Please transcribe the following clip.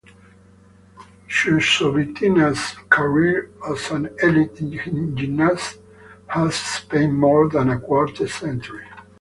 Chusovitina's career as an elite gymnast has spanned more than a quarter century.